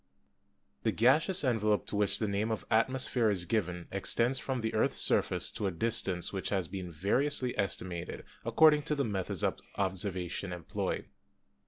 "The gaseous envelope to which the name of atmosphere is given extends from the earth's surface to a distance 83 84 GEOLOGY which has been variously estimated, according to the meth ods of observation employed.